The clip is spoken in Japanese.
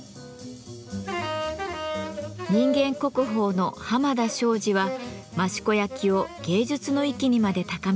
人間国宝の濱田庄司は益子焼を芸術の域にまで高めました。